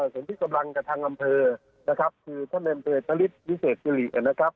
สถิตรกำลังกระทางอำเภอนะครับคือท่านอำเภอตะลิศนิเศษเจรียนะครับ